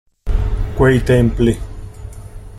Quei templi…